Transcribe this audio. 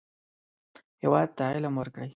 هېواد ته علم ورکړئ